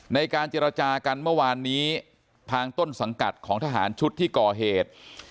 ในการเจรจากันเมื่อวานนี้ทางต้นสังกัดของทหารชุดที่ก่อเหตุ